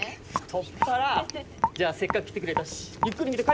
太っ腹！じゃあせっかく来てくれたしゆっくり見て帰って。